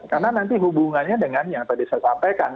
karena nanti hubungannya dengan yang tadi saya sampaikan